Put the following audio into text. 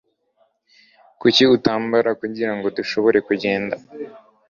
Kuki utambara kugirango dushobore kugenda?